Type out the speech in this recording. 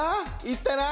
いったな！